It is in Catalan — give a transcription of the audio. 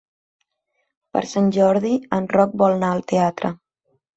Per Sant Jordi en Roc vol anar al teatre.